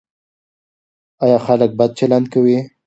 ایا خلک بد چلند کوي؟